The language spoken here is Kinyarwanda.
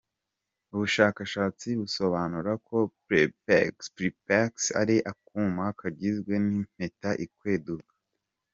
Ubushakashatsi busobanura ko Prepex ari akuma kagizwe n’impeta ikweduka.